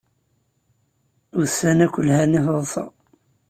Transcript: Ussan akk lhan i taḍsa